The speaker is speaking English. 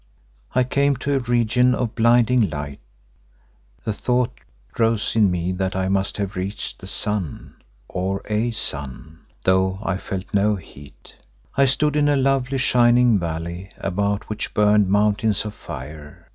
I came to a region of blinding light; the thought rose in me that I must have reached the sun, or a sun, though I felt no heat. I stood in a lovely, shining valley about which burned mountains of fire.